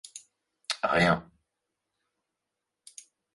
Rien !